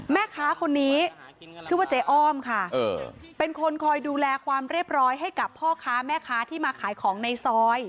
แม่ค้าคนนี้ชื่อว่าเจ๊อ้อมค่ะเป็นคนคอยดูแลความเรียบร้อยให้กับพ่อค้าแม่ค้าที่มาขายของในซอย